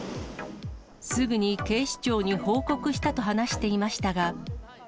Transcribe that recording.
すぐに警視庁に報告したと話していましたが。